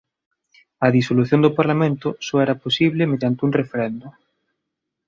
A disolución do Parlamento só era posible mediante un referendo.